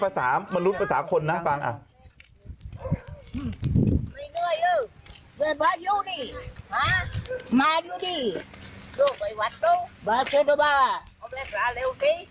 ว่ายังไงอ่ะยังตกห่วงเนี่ย